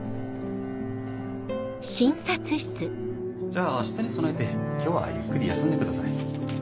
じゃあ明日に備えて今日はゆっくり休んでください。